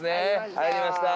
入りました。